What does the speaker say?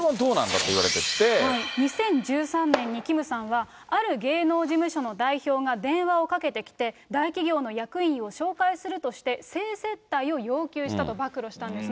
２０１３年にキムさんは、ある芸能事務所の代表が電話をかけてきて、大企業の役員を紹介するとして性接待を要求したと暴露したんですね。